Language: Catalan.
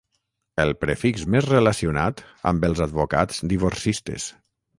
El prefix més relacionat amb els advocats divorcistes.